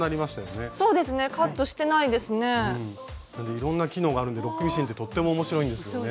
いろんな機能があるのでロックミシンってとっても面白いんですよね。